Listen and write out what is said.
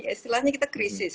istilahnya kita krisis